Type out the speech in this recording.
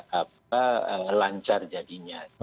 dan akan melancar jadinya